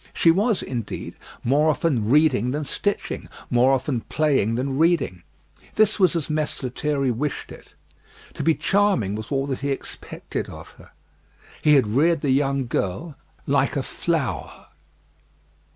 She was, indeed, more often reading than stitching; more often playing than reading. This was as Mess Lethierry wished it. To be charming was all that he expected of her. He had reared the young girl like a flower.